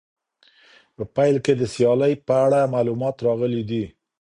په پیل کې د سیالۍ په اړه معلومات راغلي دي.